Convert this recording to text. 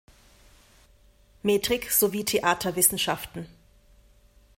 Metrik sowie Theaterwissenschaften.